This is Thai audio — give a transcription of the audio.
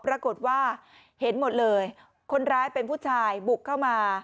ปรากฏว่าเห็นหมดเลยคนร้ายเป็นผู้ชายบุกเข้ามา